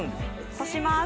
こします。